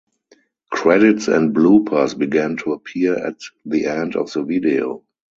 Credits and bloopers began to appear at the end of the video.